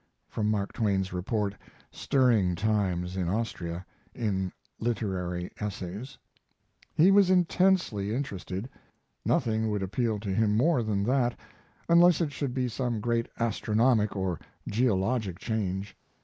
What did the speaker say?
From Mark Twain's report, "Stirring Times in Austria," in Literary Essays,] He was intensely interested. Nothing would appeal to him more than that, unless it should be some great astronomic or geologic change.